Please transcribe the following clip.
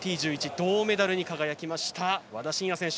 銅メダルに輝きました和田伸也選手